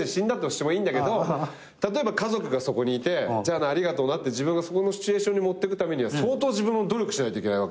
例えば家族がそこにいてじゃあなありがとうなって自分がそのシチュエーションにもってくためには相当自分も努力しないといけないわけ。